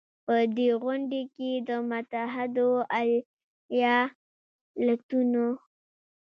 په دې غونډې کې د متحدو ایالتونو